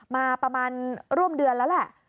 มาประมาณร่วมเดือนแล้วแหละ